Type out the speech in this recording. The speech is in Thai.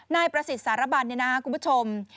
นายประสิทธิ์สารบรรณคุณผู้ชม